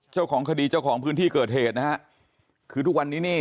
เจ้าของคดีเจ้าของพื้นที่เกิดเหตุนะฮะคือทุกวันนี้นี่